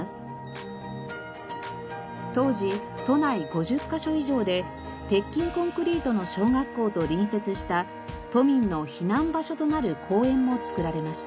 当時都内５０カ所以上で鉄筋コンクリートの小学校と隣接した都民の避難場所となる公園も造られました。